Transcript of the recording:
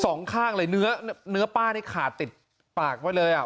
สองข้างเลยเนื้อเนื้อป้านี่ขาดติดปากไว้เลยอ่ะ